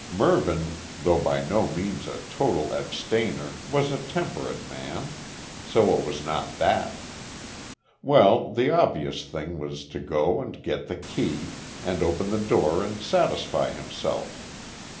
Mervyn, though by no means a total abstainer was a temperate man so it was not that. Well, the obvious thing was to go and get the key, and open the door and satisfy himself.